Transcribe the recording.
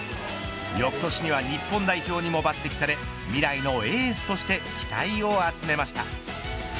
翌年には日本代表にも抜てきされ未来のエースとして期待を集めました。